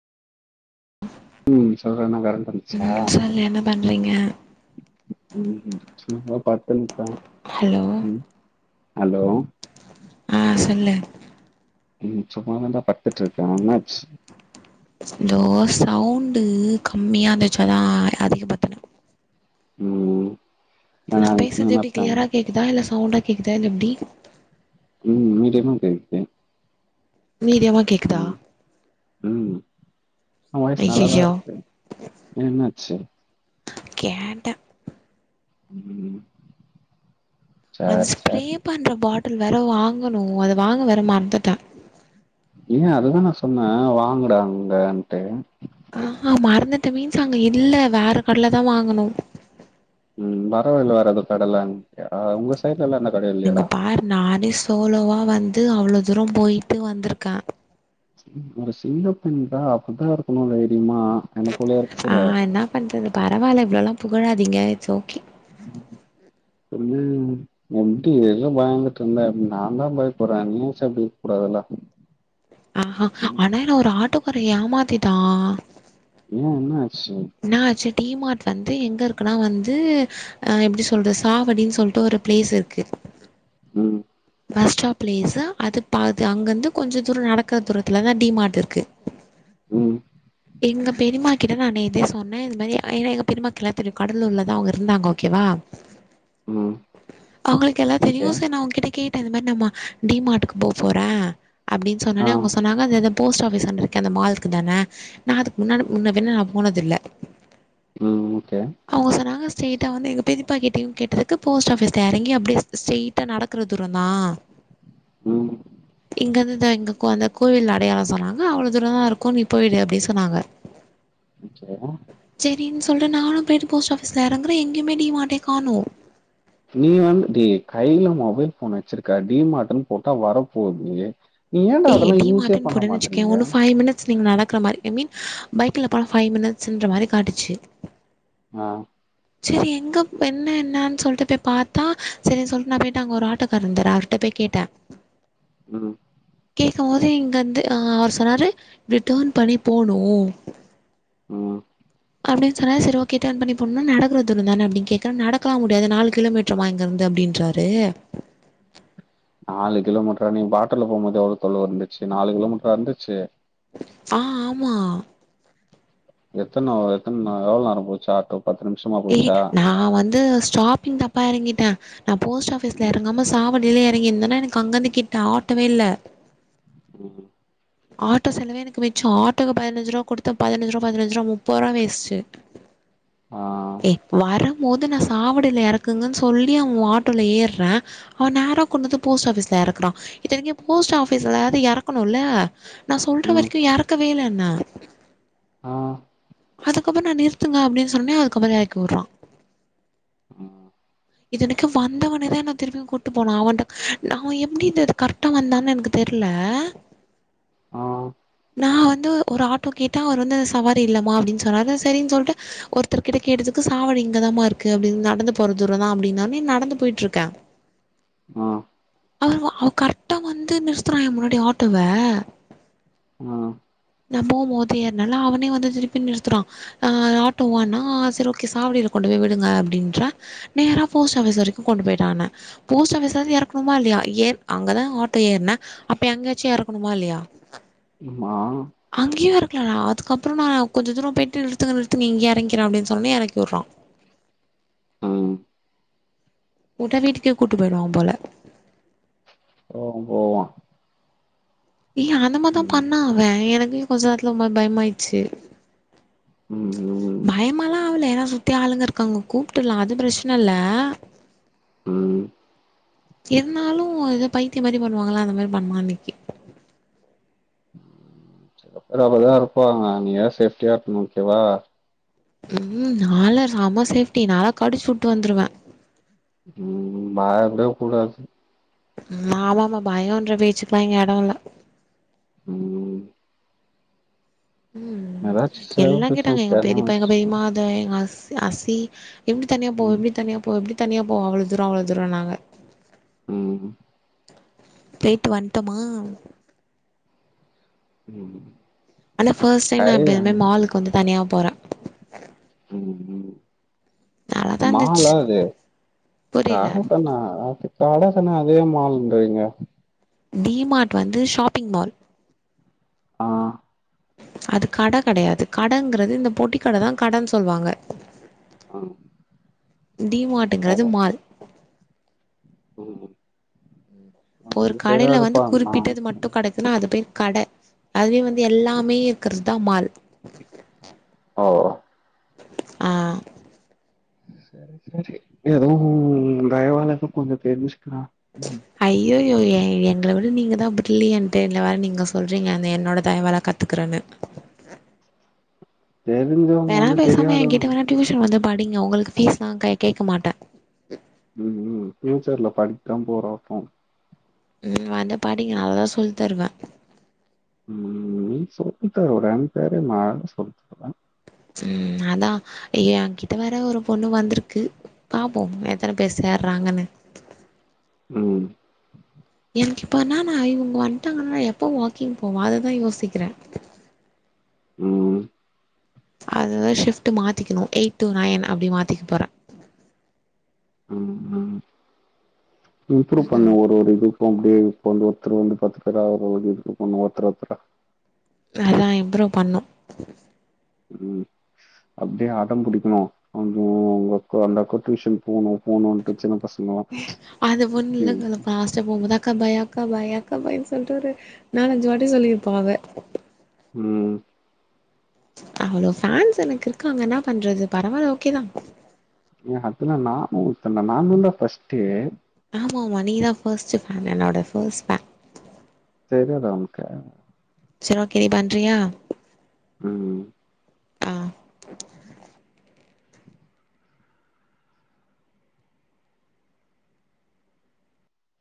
ம் சொல்ற நல்லாருக்க மாட்டீங்க ம் சொல்லு என்ன பண்றீங்க ம் சும்மா பத்துன்ருக்க ஹலோ ம் ஹலோ ஆ சொல்லு ம் சும்மா தான்டா பத்துட் இருக்க என்னாச்சு தோ சவுண்டு கம்மியா இருந்துச்சு அதா அதிக படுத்துன ம் ஆனா அத பண்ணமாட்டாங்க இதா இல்ல சவுண்டா கேக்குதா இல்ல எப்டி ம் மீடியமா கேக்குதே மீடியமா கேக்குதா ம் ம் வாய்ஸ் நல்லாதா ஐயையோ இருக்கு ஏ என்னாச்சு கேட்ட ம் அந்த சேர் ஸ்ப்ரே சேரி பண்ற பாட்டல் வேற வாங்கணு அது வாங்க வேற மறந்துட்ட ஏ அதுதா நா சொன்ன அங்க வாங்குடா அங்கன்ட்டு ஆஹா மறந்துட்ட மீன்ஸ் அங்க இல்ல வேற கடலதா வாங்கணு ம் வரவழில வேற அங்க கடலா இல்ல உங்க தியேட்டர்ல அந்த கட இல்ல இங்க பார் நானே சோலோவா வந்து அவ்ளோ தூரோ போயிட்டு வந்துருக்கே ஒரு சிங்கப்பெண் தா அப்பிதா இருக்கணு தைரியமா என்ன போல இருக்குற ஆ என்ன பண்றது பரவால்ல இவ்வளோலா புகழாதீங்க இட்ஸ் ஓகே சொல்லு எப்டி இதுலா பயந்துட்ருந்தா நா தா பயப்புற நீயாச்சு அப்டி இருக்கூடாதுல ஆஹா ஆனா என்ன ஒரு ஆட்டோக்கார ஏமாத்திட்டா ஏ என்னாச்சு என்னாச்சு டி மார்ட்லேந்து எங்கருக்குனா வந்து அ எப்டி சொல்றது சாவடின் சொல்லிட்டு ஒரு பிளேஸ் இருக்கு ம் பஸ்டாப்பிளேஸா அது பாது அங்கந்து கொஞ்ச தூர நடக்ற தூரத்துலதா டி மார்ட் இருக்கு ம் எங்க பெரிமாகிட்ட நா நேத்தே சொன்னே இந்த மாரி ஏனா எங்க பெரிமாக்குல்லா தெரியு கடலூர்ல தா அவுங்க இருந்தாங்க ஓகேவா ம் அவுங்களுக்கு எல்லா ஓகே தெரியு செ நா அவுங்கிட்ட ட இந்த மாரி நம்ம டி மார்டுக்கு போ போறே அப்டின் ஆ சொன்னன்னே அவுங்க சொன்னாங் னது அது போஸ்ட் ஆஃபிஸாண்ட இருக்க அந்த மால்க்கு தானே நா அதுக் முன்னால முன்னபின்ன போனதில்ல ம் ஓகே அவுங்க சொன்னாங்க ஸ்டெயிட்டா வந்து எங்க பெரிப்பா கிட்டயூ கேட்டதுக்கு போஸ்ட் ஆஃபிஸ்ல எறங்கி அப்டியே ஸ்டெயிட்டா நடக்குற தூரந்தா ம் இங்கந்துதா எங்கக்கூ அந்தக் கோவில் அடையாள சொன்னாங்க அவ்ளோ தூரந்தா இருக்கூ நீ போயிடு அப்டி சொன்னாங்க [unintelligible] செரின் சொல்ட்டு நானு போயிட்டு போஸ்ட் ஆஃபீஸ்ல இறங்குறே எங்கயுமே டி மாட்டே காணூ நீ வந்தட்டு கையில மொபைல் ஃபோன் வெச்சிருக்க டி மார்ட்டுன் போட்டா வரப்போது ஏன்டா அதெல்லா யூஸே பண்ண மாட்றீங்க ஸ் நீங்க நடக்குற மாரி ஐ மீன் பைக்ல போனா ஃபை மினிட்ஸுன்ற மாரி காட்டிச்சு ஆ செரி எங்கப் என்ன என்னன் சொல்ட்டு போய் பாத்தா செரின் சொல்ட்டு நா போயிட்டு அங்க ஒரு ஆட்டோக்கார் இருந்தாரு அவர்ட்ட போய் கேட்டே ம் கேக்கும்போது இங்கந்து ஆ அவர் சொன்னாரு இப்டி டர்ன் பண்ணி போணூ ம் அப்டின் சொன்னாரு செரி ஓகே டர்ன் பண்ணி போன்னா நடக் க்ற தூரந்தானே அப்டின் கேட்டா நடக்கலா முடியாது நாலு கிலோமீட்டர் மா இங்கருந்து அப்டின்றாரு நாலு கிலோமீட்டரா நீ ஆட்டோல போம்போது எவ்ளோ தொலவுருந்துச்சு நாலு கிலோமீட்டரா இருந்துச்சு ஆ ஆமா எத்தன வ எத்தன்ன எவ்ளோ நேரம் போச்சு ஆட்டோ பத்து நிமிஷமா ஏ போச்சா நா வந்து ஸ்டாப்பிங் தப்பா எறங்கிட்டே நா போஸ்ட் ஆஃபிஸ்ல ம் எறங்காம சாவடில எறங்கிந்தேனா எனக்கு அங்கந்து கிட்ட ஆட்டோவே இல்ல ம்ஹும் ஆட்டோ செலவே எனக்கு மிச்சோ ஆட்டோக்கு பதினஞ்சுரூபா குடுத்தே பதினஞ்சுரூபா பதினஞ்சுரூபா முப்பத்ரூவா வேஸ்ட்டு ஆ ஏ வேற மோது நா சாவடில எறக்குங்கன் சொல்லி அவுங்க ஆட்டோல ஏற்றே அவ நேரா கொண்டந்து போஸ்ட் ஆஃபீஸ்ல எறக்குறா இத்தனிக்கு போஸ்ட் ஆபீஸ்ல்லாது எறக்கனுல்ல நா சொல்ற ம் வரிக்கு எரக்கவேலன்ன ஆ அதுக்கப்புற நா நிறுத்துங்க அப்டின் சொன்னே அதுக்கப்புற எறக்கி வுட்றா ம் இது எனைக்கு வந்தவுன்னேதா என்ன திருப்பியு கூட்டு போனா அவன்ட நா அவ எப்டி இந்த கர் ட்டா வந்தான் எனக்கு தெர்ல ஆ நா வந்து ஒரு ஆட்டோ கேட்ட அவர் வந்து சவாரி இல்லமா அப்டின் சொன்னாரு செரின் சொல்ட்டு ஒருத்தர் கிட்ட கேட்டதுக்கு சாவடி இங்கதாம்மாருக்கு அப்டின் நடந்து போற தூரந்தா அப்டின்னோனே நடந்து போயிட்ருக்கே ஆ அவர்வா அவ கர்ட்டா வந்து நிறுத்துறா எ முன்னாடி ஆட்டோவே ஆ நம்மோ மோதியார்னால அவனே வந்து திருப் பின் நிறுத்துறா அ ஆட்டோவானா செரி ஓகே சாவடில கொண்டுபோய் விடுங்க அப்டின்ற நேரா போஸ்ட் ஆஃபிஸ் வரைக்கு கொண்டு போயிட்டானே போஸ்ட் ஆஃபிஸாது எறக்ணுமா இல்லியா ஏ அங்கதா ஆட்டோ ஏர்ன அப்ப யெங்யாச்சு எறக்கணுமா இல்லியா ம்மா அங்கியு எறக்ல நா அதுக்கப்ற நா கொஞ்ச தூரம் போயிட்டு நிறுத்துங்க நிறுத்துங்க இங்கியே எறங்கிறே அப்டின் சொன்னோனே எறக்கிவுர்றா ம் வுட்டா வீட்டுக்கே கூட்டு போய்ருவாம்போல ஓம் போவா ஏ அந்த மார்தா ம் பண்ண அவ எனக்கே கொஞ்ச நேரத்துல ஒருமா பயமாயிட்ச்சி ம் ம் பயமாலா ஆவல எனா சுத்தி ஆளுங்க இருக்காங்க கூப்ட்டுல்லா அது பிரச்ன இல்ல ம் இருந்தாலு எதோ பைத்தியமாரி பண்ணுவாங்களா அந்த மாரி பண்ணா அன்னைக்கி சில பேரு அப்பதா இருப்பாங்க நீதா சேப்டியா இருக்னு ஓகேவா ம் நாலா செம சேஃப்டி நாலா கடிச்சுவுட்டு வந்துருவே ம் மா எப்டியே கூடாது ம் ஆமாமா பயன்ற பேச்சுக்லா இங்க எட இல்ல ம் ம் ஏதாச்சு செல்ஃப் எல்லா கேட்டாங்க டிஃபென்ஸ் எங்க எதுனா பெரிப்பா எங்க வச்சுக்கோ பெரிமா இந்த எங்க அஸ்சு அஸ்சி எப்டி தனியா போவ ம் எப்டி தனியா போவ எப்டி தனியா போவ அவ்ளோ தூர அவ்ளோ தூரன்னாங்க ம் பேய்ட்டு வன்ட்டமா ம் ஆனா ஃபர்ஸ்ட் டைம் நா கயிறு இப்பேமே மாலுக்கு வந்து தனியா போறே ம் ம் நல்லாதா இருந்துச்சு மாலா அது புரில கடசன்னா ஆட்டு கடசன்னா அதே மால்ன்றீங்க டீ மார்ட் வந்து ஷாப்பிங் மால் ஆ அது கட கெடையாது கடங்றது இந்த பொட்டி கடதா கடன் சொல்வாங்க ஆ டி மாட்டுங்கிறது போவோ மால் ம் ம் ப்ப ஒரு கடைல வந்து குறிப்பிட்டது மட் டு கெடைக்குன்னா அது பேர் கட அதுவே வந்து எல்லாமே இருக்குறதா மால் ஓ ஆ செரி செரி எதோ உ தயவாளதா கொஞ்சொ தெறிஞ்சுக்கிறா ம் ஐயயோ எ எங்கள விட நீங்கதா பிர்லியன்ட்டு இதுல வேற நீங்க சொல்றீங்க அந்த என்னோட தயவாள கத் துக்குறன்னு தெரிஞ்சு வேணா பேசாம எங்கிட்ட வேணா டியூஷன் வந்து படிங்க உங்களுக் ஃபீஸ்லா கை கேக்க மாட்டே ம் ம் ஃபியூச்சர்ல படிக்த்தா போற அப்போ ம் வந்து படிங்க நல்லாதா சொல் தருவே ம் நீ சொல்லித்தருவடா எனக் தெரியும்மா அதல்லா சொல்லித்தருவ ம் அதா எங்கிட்ட வேற ஒரு பொண்ணு வந்திருக்கு பாபோம் எத்தன பேர் சேர்றாங்கன்னு ம் எனக்கு இப்போ என்னானா இவ்ங்க வந்ட்டாங்கன்னா நா எப்போ வாக்கிங் போவ அததா யோசிக்கிறே ம் அதுதா ஷிஃப்ட் மாத்திக்கணு எயிட் டூ நைன் அப்டி மாத்திக்க போற இம்ப்ரூவ் பண்ணு ம் ஒரு ஒரு இது [unintelligible] கொண்டு ஒருத்தர் வந்து பத்து பேரா ஆவுர வரைக்கு இம்ப்ருவ் பண்ணு ஒருத்தர் ஒருத்தரா அதா இம்ப்ரூவ் பண்ணு ம் அப்டியே அடம் புடிக்கணு வந்தூ அந்த அக்கா அந்த அக்கா ட்யூஷன் போணு போணுன்ட்டு சின்ன பசங் அது ஒன் இல்லதுல்ல பாஸ் ச்ச போம்போது அக்கா பாய் அக்கா பாய் அக்கா பாய்ன் சொல்ட்டு ஒரு நாலஞ்சு வாட்டி சொல்லிருப்பா அவ ம் அவ்ளோ ஃபேன்ஸ் எனக்கு இருக்காங்க என்னா பண்றது பரவால்ல ஓகேதா ஏ ஹப்பினா நானு ஒருத்தன்டா நானுன்டா ஃபர்ஸ்டு ஆமாமா நீங்கதா ஃபஸ்ட்டு ஃபேன் என்னோட ஃபஸ்ட் ஃபே தெரியாதா உன்க்கு சரி ஓகே நீ பண்றியா ம் ம் ஆ